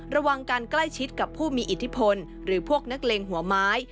ระวังการใกล้ชิดกับผู้มีอิทธิพลหรือพวกนักเลงหัวไม้